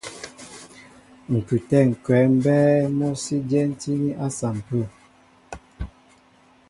Ŋ̀kʉtɛ̌ ŋ̀kwɛ̌ mbɛ́ɛ́ mɔ́ sí dyɛ́tíní à sampə̂.